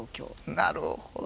なるほど。